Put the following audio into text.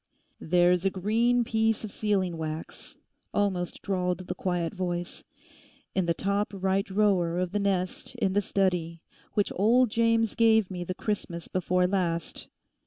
'There's a green piece of sealing wax,' almost drawled the quiet voice, 'in the top right drawer of the nest in the study, which old James gave me the Christmas before last.